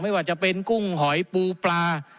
ไม่ว่าจะเป็นกุ้งหอยปูปลา